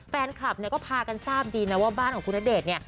แฟนคลับก็พากันทราบดีนะว่าบ้านของคุณณเดชน์